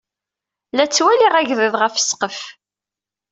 La ttwaliɣ agḍiḍ ɣef ssqef.